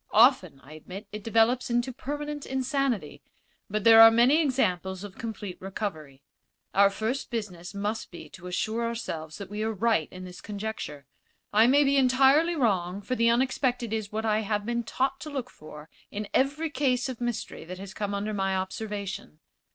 Often, I admit, it develops into permanent insanity, but there are many examples of complete recovery. Our first business must be to assure ourselves that we are right in this conjecture. I may be entirely wrong, for the unexpected is what I have been taught to look for in every case of mystery that has come under my observation.